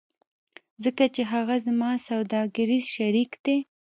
ځکه چې هغه زما سوداګریز شریک دی